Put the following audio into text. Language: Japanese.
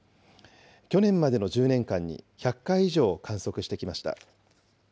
去年までの１０年間に１００回以上観測してきました。